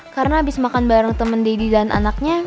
karena abis makan bareng temen deddy aku bisa ngobrol sama temennya